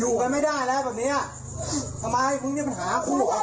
เธอตกใจมากโทรหาพ่อตามมาได้ทันเวลาพอดีเลย